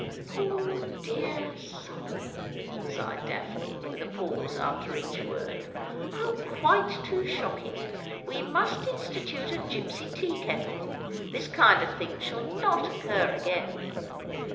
' Poor — dear — soul !' sighed Daphne, with a pause after each word. ' How quite too shocking ! We must institute a gipsy tea kettle. This kind of thing shall not occur again.'